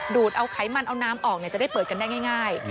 ดูดเอาไขมันเอาน้ำออกจะได้เปิดกันได้ง่าย